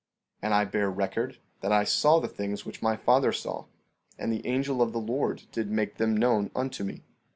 14:29 And I bear record that I saw the things which my father saw, and the angel of the Lord did make them known unto me.